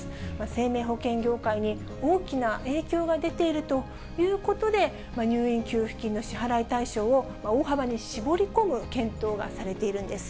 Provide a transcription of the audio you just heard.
生命保険業界に大きな影響が出ているということで、入院給付金の支払い対象を、大幅に絞り込む検討がされているんです。